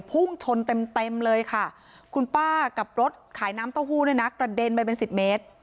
พุ่งชนเต็มเลยค่ะคุณป้ากับรถขายน้ำเต้าหู้กระเด็นไปเป็น๑๐เมตร